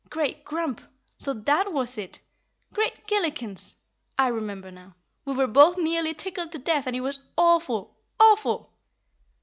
"Great Grump! So that was it! Great Gillikens! I remember now, we were both nearly tickled to death and it was awful, AWFUL!